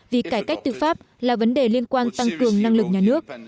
vì cải cách tư pháp là vấn đề liên quan tăng cường năng lực nhà nước